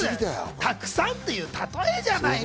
たくさんっていう例えじゃない。